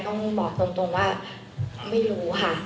ต้องบอกตรงว่าไม่รู้ค่ะ